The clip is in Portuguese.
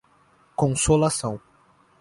Consolação